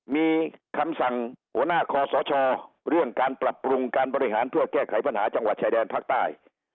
มีคำสั่งหัวหน้าคอสชเรื่องการปรับปรุงการบริหารเพื่อแก้ไขปัญหาจังหวัดชายแดนภาคใต้